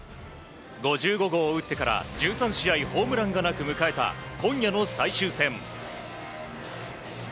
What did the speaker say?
５５号を打ってから１３試合ホームランがなく迎えた今夜の最終戦。